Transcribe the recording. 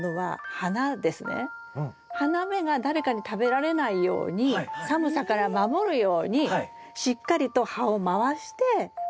花芽が誰かに食べられないように寒さから守るようにしっかりと葉を回して守ってるんですね。